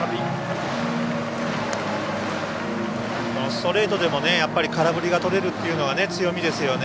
ストレートでも空振りがとれるというのが強みですよね。